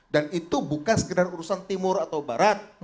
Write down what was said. dan itu bukan sekedar urusan timur atau barat